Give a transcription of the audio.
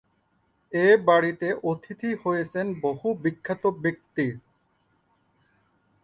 এ বাড়িতে অতিথি হয়েছেন বহু বিখ্যাত ব্যক্তি।